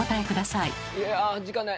いや時間ない！